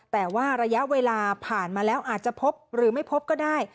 แต่ว่าระยะเวลาผ่านมาแล้วอาจจะพบหรือไม่พบก็ได้